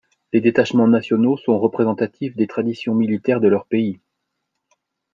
Les détachements nationaux sont représentatifs des traditions militaires de leurs pays.